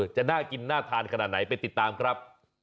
จะน่ากินน่าทานขนาดไหนไปติดตามครับ